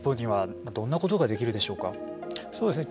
日本にはどんなことができるでしょうか。